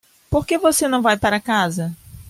Por que você não vai para casa?